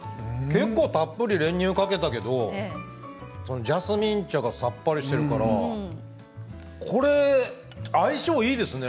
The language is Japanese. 結構たっぷり練乳をかけているけどジャスミン茶がさっぱりしているからこれ相性もいいですね。